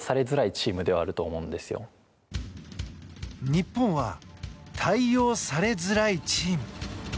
日本は対応されづらいチーム。